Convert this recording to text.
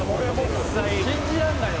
「信じられないよ